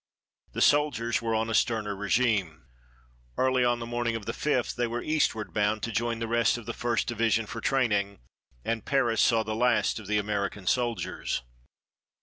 The soldiers were on a sterner régime. Early on the morning of the 5th, they were eastward bound, to join the rest of the First Division for training, and Paris saw the last of the American soldiers.